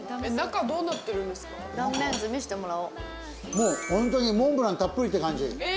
もうホントにモンブランたっぷりって感じ。